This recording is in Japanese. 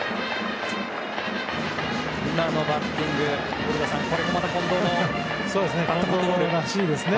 今のバッティング古田さん、これもまた近藤のバットコントロールですね。